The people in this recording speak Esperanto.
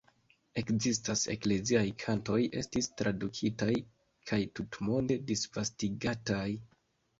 Ekzistaj ekleziaj kantoj estis tradukitaj kaj tutmonde disvastigataj.